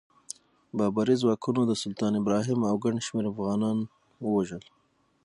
بابري ځواکونو د سلطان ابراهیم او ګڼ شمېر افغانان ووژل.